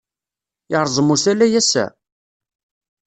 Yerẓem usalay ass-a?